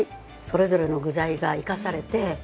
それぞれの具材が生かされて。